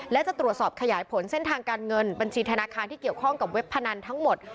และจะตรวจสอบขยายผลเส้นทางการเงินบัญชีธนาคารที่เกี่ยวข้องกับเว็บพนันทั้งหมด